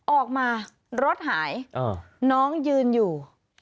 ออกมารถหายน้องยืนอยู่